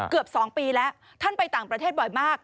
เกือบ๒ปีแล้วท่านไปต่างประเทศบ่อยมาก